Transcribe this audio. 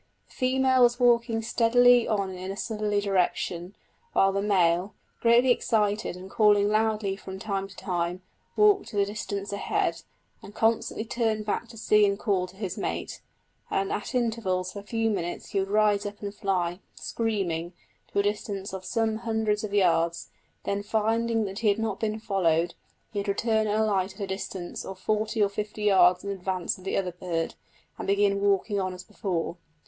The female was walking steadily on in a southerly direction, while the male, greatly excited, and calling loudly from time to time, walked at a distance ahead, and constantly turned back to see and call to his mate, and at intervals of a few minutes he would rise up and fly, screaming, to a distance of some hundreds of yards; then finding that he had not been followed, he would return and alight at a distance of forty or fifty yards in advance of the other bird, and begin walking on as before.